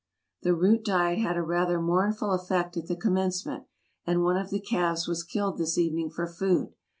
The root diet had a rather mournful effect at the commencement, and one of the calves was killed this evening for food.